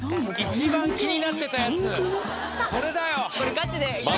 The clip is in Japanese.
一番気になってたやつこれだよ！